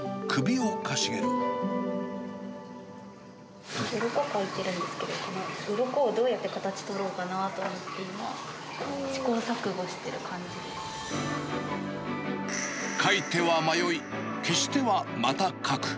うろこ描いているんですけど、うろこをどうやって形、とろうかなと思って、今、試行錯誤してい描いては迷い、消してはまた描く。